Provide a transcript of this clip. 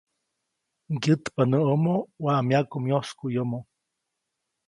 ‒Ŋgyätpa näʼomo waʼa myaku myoskuʼyomo-.